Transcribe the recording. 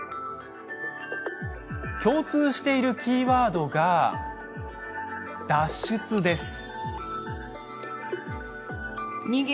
共通しているキーワードが「脱出」です。